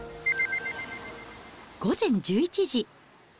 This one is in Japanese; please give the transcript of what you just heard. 午前１１時。